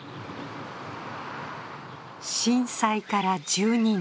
震災から１２年。